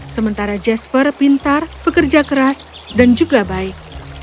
sementara jasper pintar pekerja keras dan juga baik